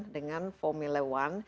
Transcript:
dengan formula satu